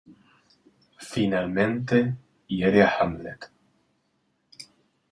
Finalmente hiere a Hamlet.